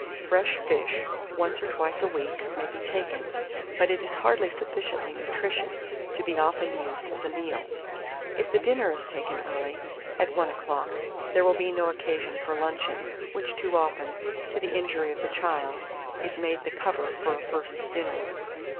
Fresh fish, once or twice a week, may be taken; but it is hardly sufficiently nutritious to be often used as a meal. If the dinner is taken early, at one o'clock, there will be no occasion for luncheon, which too often, to the injury of the child, is made the cover for a first dinner.